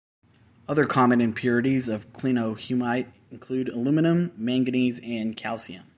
Other common impurities of clinohumite include aluminium, manganese, and calcium.